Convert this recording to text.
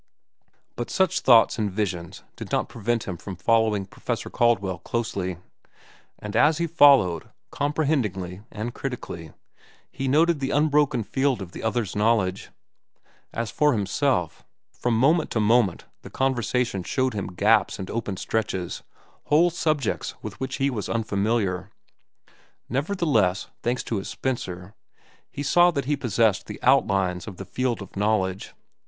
But such thoughts and visions did not prevent him from following Professor Caldwell closely. And as he followed, comprehendingly and critically, he noted the unbroken field of the other's knowledge. As for himself, from moment to moment the conversation showed him gaps and open stretches, whole subjects with which he was unfamiliar. Nevertheless, thanks to his Spencer, he saw that he possessed the outlines of the field of knowledge.